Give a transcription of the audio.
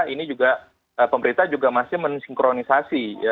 ini juga pemerintah juga masih mensinkronisasi